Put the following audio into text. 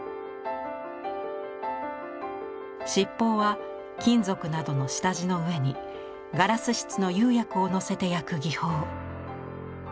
七宝は金属などの下地の上にガラス質の釉薬をのせて焼く技法。